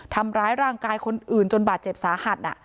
ทำร้ายร่างกายคนอื่นจนบาดเจ็บสาหัส